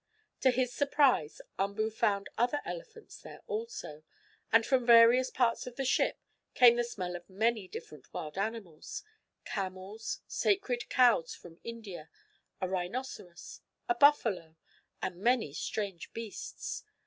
To his surprise, Umboo found other elephants there also, and from various parts of the ship came the smell of many different wild animals camels, sacred cows from India, a rhinoceros, a buffalo and many strange beasts.